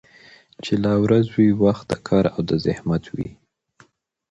چي لا ورځ وي وخت د كار او د زحمت وي